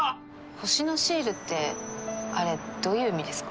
星のシールってあれどういう意味ですか？